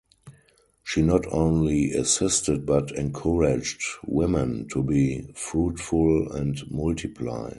She not only assisted but encouraged women to be fruitful and multiply.